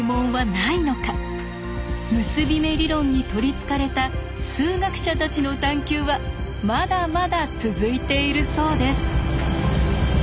結び目理論に取りつかれた数学者たちの探求はまだまだ続いているそうです。